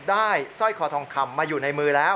สร้อยคอทองคำมาอยู่ในมือแล้ว